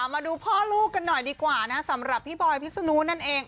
มาดูพ่อลูกกันหน่อยดีกว่านะสำหรับพี่บอยพิษนุนั่นเอง